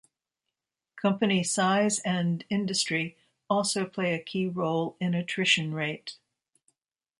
Company size and industry also play a key role in attrition rate.